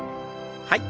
はい。